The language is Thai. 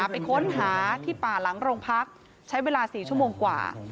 ไปค้นหาที่ป่าหลังโรงพักใช้เวลา๔ชั่วโมงกว่า